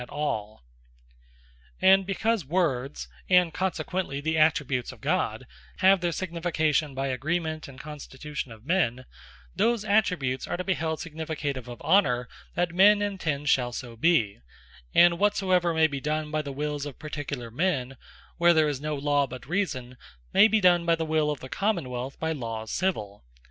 All Attributes Depend On The Lawes Civill And because words (and consequently the Attributes of God) have their signification by agreement, and constitution of men; those Attributes are to be held significative of Honour, that men intend shall so be; and whatsoever may be done by the wills of particular men, where there is no Law but Reason, may be done by the will of the Common wealth, by Lawes Civill.